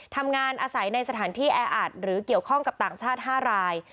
ทำงานอาศัยในสถานที่แออัดหรือเกี่ยวข้องกับต่างชาติ๕ราย